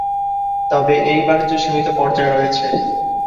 তবে এই বাণিজ্য সীমিত পর্যায়ে রয়েছে।